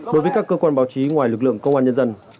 đối với các cơ quan báo chí ngoài lực lượng công an nhân dân